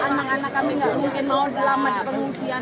anak anak kami nggak mungkin mau lama di pengungsian